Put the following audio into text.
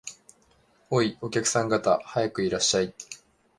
おい、お客さん方、早くいらっしゃい